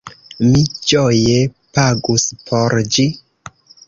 Mi ĝoje pagus por ĝi!